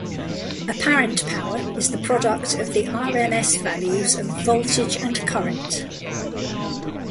Apparent power is the product of the rms values of voltage and current.